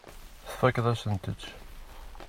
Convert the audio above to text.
Tfakkeḍ-asent-tt.